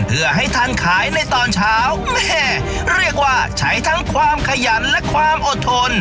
เพื่อให้ทันขายในตอนเช้าแม่เรียกว่าใช้ทั้งความขยันและความอดทน